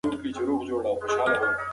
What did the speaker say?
ذوالفقار خان له ښوراوک څخه هرات ته راغی.